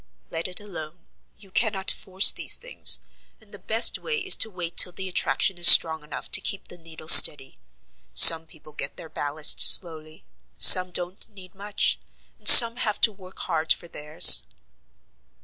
"Let it alone: you cannot force these things, and the best way is to wait till the attraction is strong enough to keep the needle steady. Some people get their ballast slowly, some don't need much, and some have to work hard for theirs."